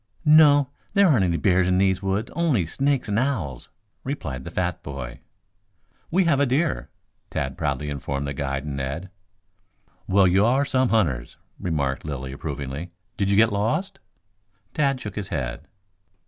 "No. There aren't any bears in these woods only snakes and owls," replied the fat boy. "We have a deer," Tad proudly informed the guide and Ned. "Well, you are some hunters," remarked Lilly approvingly. "Did you get lost?" Tad shook his head.